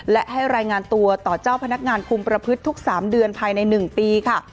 และให้รายงานตัวต่อเจ้าพนักงานคุมประพฤติทุก๓เดือนภายใน๑ปีค่ะ